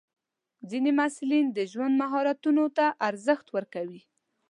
ځینې محصلین د ژوند مهارتونو ته ارزښت ورکوي.